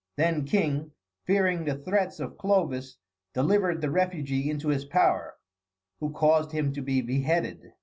then king, fearing the threats of Clovis delivered the refugee into his power, who caused him to be beheaded.